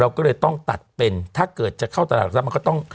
ก็เลยต้องตัดเป็นถ้าเกิดจะเข้าตลาดทรัพย์มันก็ต้อง